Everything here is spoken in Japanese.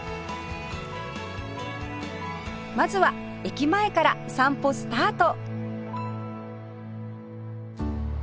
まずは駅前から散歩スタート